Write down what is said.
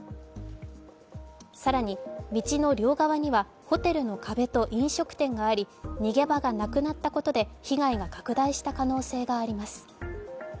更に、道の両側にはホテルの壁と飲食店があり、逃げ場がなくなったことで被害が拡大した可能性があります。